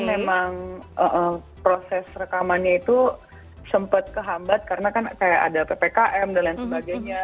memang proses rekamannya itu sempat kehambat karena kan kayak ada ppkm dan lain sebagainya